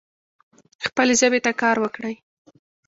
خپلي ژبي ته کار وکړئ.